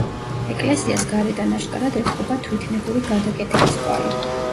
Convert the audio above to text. ეკლესიას გარედან აშკარად ეტყობა თვითნებური გადაკეთების კვალი.